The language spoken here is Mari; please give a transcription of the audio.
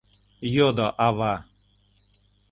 — йодо ава.